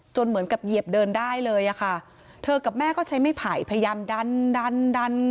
เหมือนกับเหยียบเดินได้เลยอะค่ะเธอกับแม่ก็ใช้ไม่ไผ่พยายามดันดันดันดัน